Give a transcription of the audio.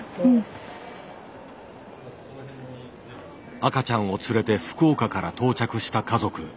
赤ちゃんを連れて福岡から到着した家族。